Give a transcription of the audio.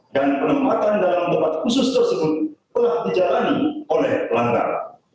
dan penempatan dalam tempat khusus tersebut telah dijalani oleh pelanggar